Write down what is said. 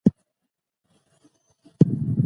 روښانه هدف لار اسانه کوي.